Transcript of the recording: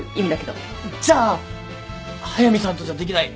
じゃあ速見さんとじゃできない